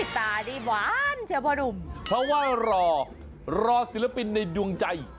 ตานี่หวานเชียวพ่อหนุ่มเพราะว่ารอรอศิลปินในดวงใจ